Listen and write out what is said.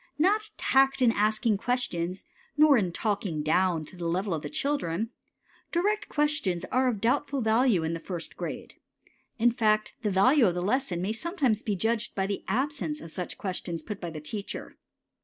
Not tact in asking questions, nor in "talking down" to the level of the children. Direct questions are of doubtful value in the first grade. In fact, the value of the lesson may sometimes be judged by the absence of such questions put by the teacher.